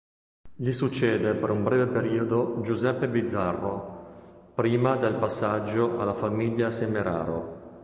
Gli succede per un breve periodo Giuseppe Bizzarro, prima del passaggio alla famiglia Semeraro.